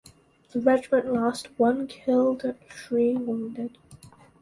The regiment lost one killed and three wounded.